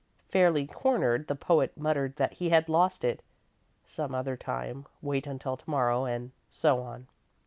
Fairly cornered, the poet muttered that he had lost it some other time wait until to morrow and so on.